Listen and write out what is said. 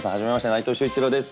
内藤秀一郎です。